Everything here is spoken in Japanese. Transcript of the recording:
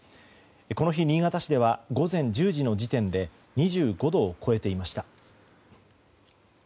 この日、新潟市では午前１０時の時点で２５度を超えていました。